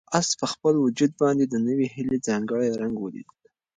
آس په خپل وجود باندې د نوې هیلې ځانګړی رنګ ولید.